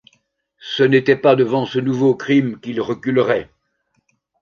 Ce n’était pas devant ce nouveau crime qu’ils reculeraient...